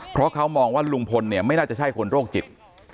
เพราะเขามองว่าลุงพลเนี่ยไม่น่าจะใช่คนโรคจิต